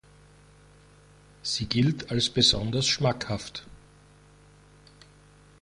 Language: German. Sie gilt als besonders schmackhaft.